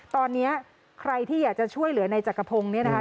ตอนนี้ใครที่อยากจะช่วยเหลือในจักรพงศ์เนี่ยนะคะ